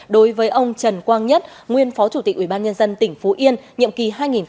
đối với ông trần quang nhất nguyên phó chủ tịch ubnd tỉnh phú yên nhiệm kỳ hai nghìn một mươi một hai nghìn một mươi sáu